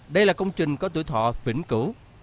đây là công trình có tuổi thọ vĩnh củ